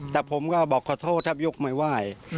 แต่ผมก็บอกขอโทษถ้ายกไม่ไหว้